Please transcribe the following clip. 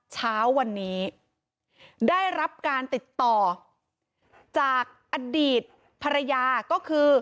เช้าวันนี้ได้รับการติดต่อจากอดีตภรรยาก็คือ